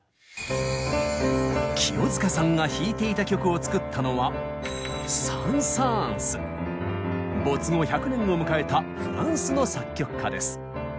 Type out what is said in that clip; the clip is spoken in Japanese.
清塚さんが弾いていた曲を作ったのは没後１００年を迎えたフランスの作曲家です。